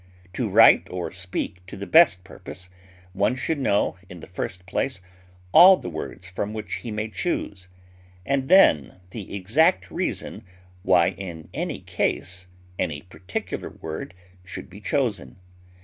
To write or speak to the best purpose, one should know in the first place all the words from which he may choose, and then the exact reason why in any case any particular word should be chosen.